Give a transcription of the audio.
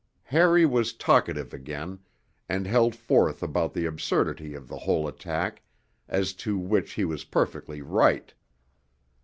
Harry was talkative again, and held forth about the absurdity of the whole attack, as to which he was perfectly right.